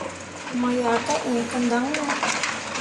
Mo yah gah ẽe kǝndaŋne ?